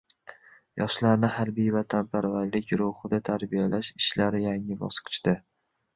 Yoshlarni harbiy-vatanparvarlik ruhida tarbiyalash ishlari yangi bosqichda